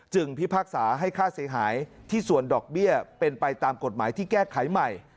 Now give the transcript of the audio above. พิพากษาให้ค่าเสียหายที่ส่วนดอกเบี้ยเป็นไปตามกฎหมายที่แก้ไขใหม่